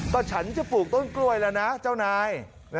ก็ฉันจะปลูกต้นกล้วยแล้วนะเจ้านาย